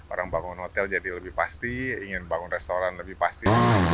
orang bangun hotel jadi lebih pasti ingin bangun restoran lebih pasti